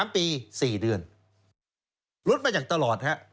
๓๓ปี๔เดือนลดไปอยากตลอดฮะ